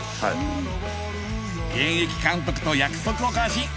現役監督と約束を交わし